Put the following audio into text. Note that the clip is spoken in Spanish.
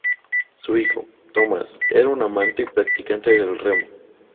Su hijo, Thomas, era un amante y practicante del remo.